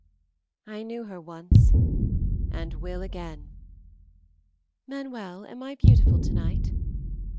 I knew her once and will again. Manuel, am I beautiful tonight?"